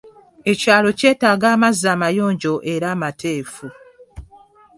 Ekyalo kyetaaga amazzi amayonjo era amateefu.